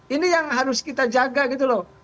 ini yang harus kita jaga gitu loh